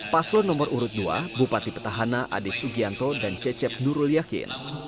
paslon nomor urut dua bupati petahana ade sugianto dan cecep nurul yakin